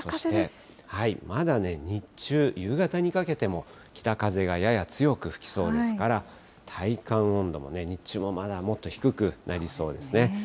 まだ、日中、夕方にかけても北風がやや強く吹きそうですから、体感温度も日中もまだもっと低くなりそうですね。